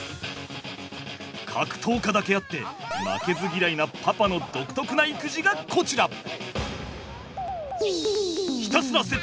格闘家だけあって負けず嫌いなパパの独特な育児がこちら。